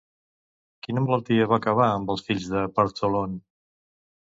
Quina malaltia va acabar amb els fills de Partholón?